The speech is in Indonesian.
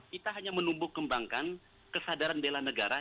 kita hanya menumbuh kembangkan kesadaran bela negara